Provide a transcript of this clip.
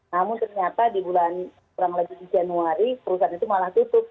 namun ternyata di bulan kurang lebih di januari perusahaan itu malah tutup